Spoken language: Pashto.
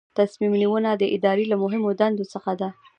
تصمیم نیونه د ادارې له مهمو دندو څخه ده.